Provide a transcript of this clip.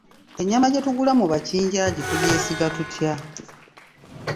Ennyama gye tugula mu bakinjaaji tugyesiga tutya?